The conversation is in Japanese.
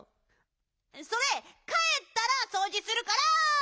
それかえったらそうじするから！